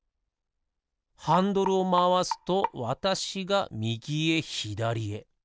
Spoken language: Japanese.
ハンドルをまわすとわたしがみぎへひだりへ。